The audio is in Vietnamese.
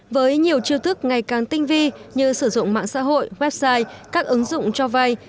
với nhiều chiêu thức ngày càng tinh vi như sử dụng mạng xã hội website các ứng dụng cho vay